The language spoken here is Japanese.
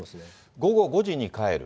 午後５時に帰る。